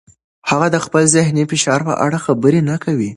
هغه د خپل ذهني فشار په اړه خبرې نه کوي.